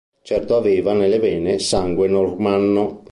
Certo aveva nelle vene sangue normanno.